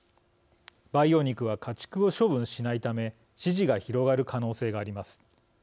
培養肉は家畜を処分しないため支持が広がる可能性があります。